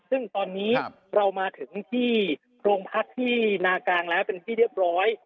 ซึ่งตอนนี้เรามาถึงที่โรงพักที่นากลางแล้วเป็นที่เรียบร้อย